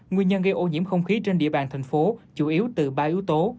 nguyên nhân gây ô nhiễm không khí trên địa bàn thành phố chủ yếu từ ba yếu tố